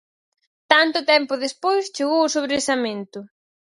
Tanto tempo despois, chegou o sobresemento.